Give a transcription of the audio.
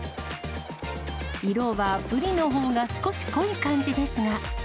色はブリのほうが少し濃い感じですが。